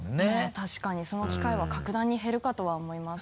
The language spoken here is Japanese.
確かにその機会は格段に減るかとは思います。